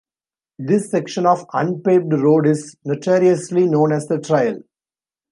This section of unpaved road is notoriously known as the trail.